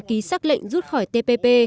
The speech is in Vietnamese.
ký sắc lệnh rút khỏi tpp